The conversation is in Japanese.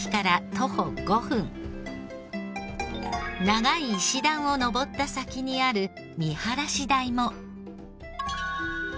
長い石段を上った先にある見晴台も。